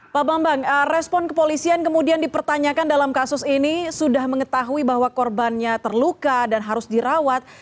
pak bambang respon kepolisian kemudian dipertanyakan dalam kasus ini sudah mengetahui bahwa korbannya terluka dan harus dirawat